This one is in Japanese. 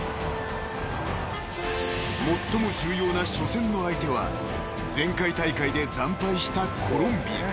［最も重要な初戦の相手は前回大会で惨敗した］